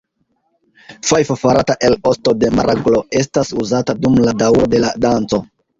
Fajfo farata el osto de maraglo estas uzata dum la daŭro de la danco.